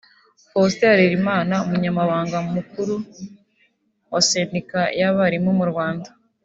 Faustin Harerimana umunyamabanga muru wa Sendika y’abarimu mu Rwanda